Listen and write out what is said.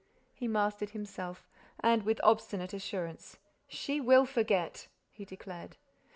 He mastered himself and, with obstinate assurance. "She will forget!" he declared.